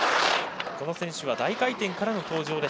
この選手は大回転からの登場。